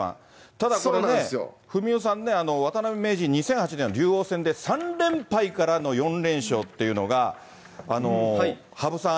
ただこれね、ふみおさんね、渡辺名人、２００８年は竜王戦で３連敗からの４連勝っていうのが、羽生さん